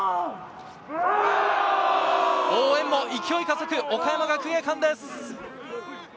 応援も勢いを加速、岡山学芸館です。